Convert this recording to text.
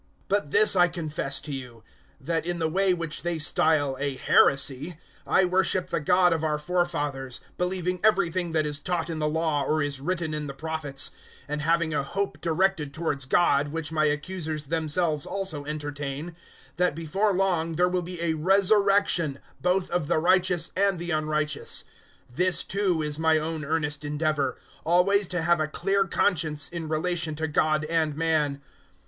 024:014 But this I confess to you that in the way which they style a heresy, I worship the God of our forefathers, believing everything that is taught in the Law or is written in the Prophets, 024:015 and having a hope directed towards God, which my accusers themselves also entertain, that before long there will be a resurrection both of the righteous and the unrighteous. 024:016 This too is my own earnest endeavour always to have a clear conscience in relation to God and man.